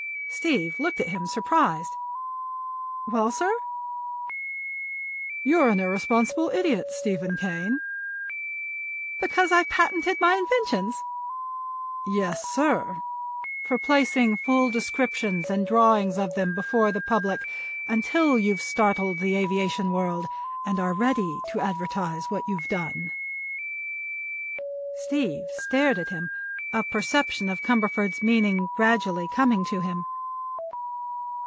Steve looked at him, surprised. "Well, sir?" "You're an irresponsible idiot, Stephen Kane." "Because I patented my inventions?" "Yes, sir; for placing full descriptions and drawings of them before the public until you've startled the aviation world and are ready to advertise what you've done." Steve stared, a perception of Cumberford's meaning gradually coming to him.